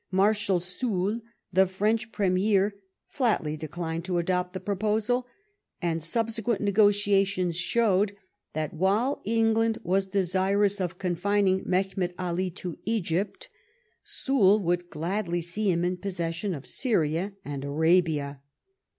Marshal Soult, the French Premier, flatly declined to adopt the proposal ; and subsequent negotiations showed that while England was desirous of confining Mehemet Ali to Egypt, Soult would gladly see him in possession of Syria and Arabia.